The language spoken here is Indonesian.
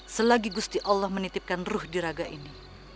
selagi gusti allah menitipkan ruh diraga ini